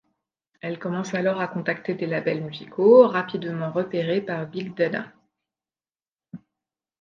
Elle commence alors à contacter des labels musicaux, rapidement repérée par Big Dada.